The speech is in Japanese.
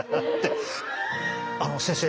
あの先生